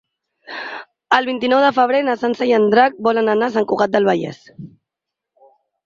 El vint-i-nou de febrer na Sança i en Drac volen anar a Sant Cugat del Vallès.